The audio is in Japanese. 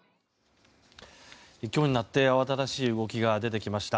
今日になって慌ただしい動きが出てきました。